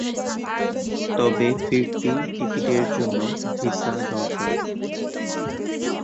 তবে ফিরতি টিকিটের জন্য ভিসা দরকার।